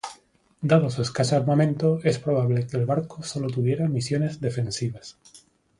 Dado su escaso armamento es probable que el barco solo tuviera misiones defensivas.